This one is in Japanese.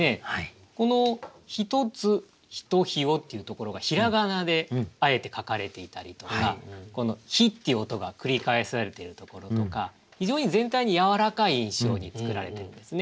この「ひとつひとひを」っていうところが平仮名であえて書かれていたりとかこの「ひ」っていう音が繰り返されているところとか非常に全体にやわらかい印象に作られてるんですね。